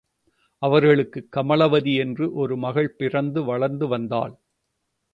அவர்களுக்கு கமலவதி என்று ஒரு மகள் பிறந்து வளர்ந்து வந்தாள்.